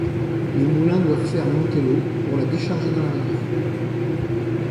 Les moulins doivent faire monter l'eau pour la décharger dans la rivière.